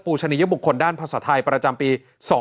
ชนิยบุคคลด้านภาษาไทยประจำปี๒๕๖